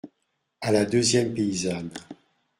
A la deuxième paysanne.